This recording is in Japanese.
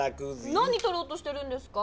なにとろうとしてるんですか！